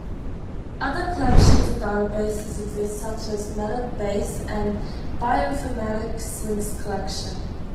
Other collections of databases exist such as MetaBase and the Bioinformatics Links Collection.